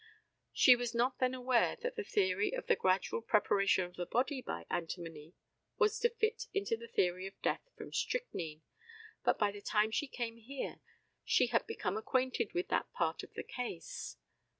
She was not then aware that the theory of the gradual preparation of the body by antimony was to fit into the theory of death from strychnine, but by the time she came here she had become acquainted with that part of the case.